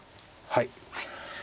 はい。